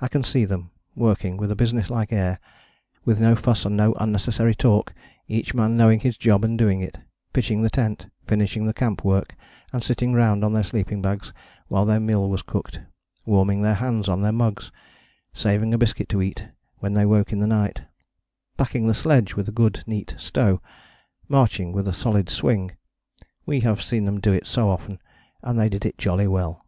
I can see them, working with a business like air, with no fuss and no unnecessary talk, each man knowing his job and doing it: pitching the tent: finishing the camp work and sitting round on their sleeping bags while their meal was cooked: warming their hands on their mugs: saving a biscuit to eat when they woke in the night: packing the sledge with a good neat stow: marching with a solid swing we have seen them do it so often, and they did it jolly well.